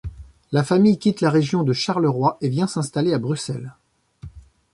La famille quitte la région de Charleroi et vient s'installer à Bruxelles.